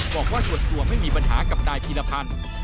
บอกว่าส่วนตัวไม่มีปัญหากับนายพีรพันธ์